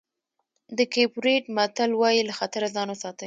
د کېپ ورېډ متل وایي له خطره ځان وساتئ.